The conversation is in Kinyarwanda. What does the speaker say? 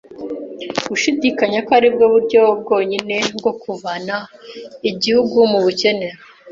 gushidikanya ko ari bwo buryo bwonyine bwo kuvana igihugu mu bukene